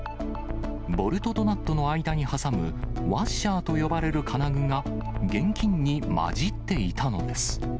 ボルトとナットの間に挟むワッシャーと呼ばれる金具が現金に交じっていたのです。